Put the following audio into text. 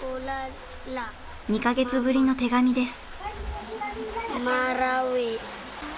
２か月ぶりの手紙です。